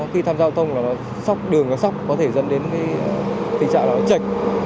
khi tham giao thông là nó sóc đường nó sóc có thể dân đến cái tình trạng là nó chạy